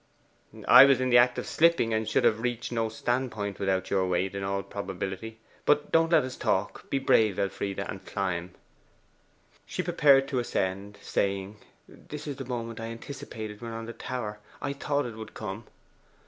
'I was in the act of slipping, and should have reached no stand point without your weight, in all probability. But don't let us talk. Be brave, Elfride, and climb.' She prepared to ascend, saying, 'This is the moment I anticipated when on the tower. I thought it would come!